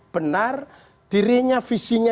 benar dirinya visinya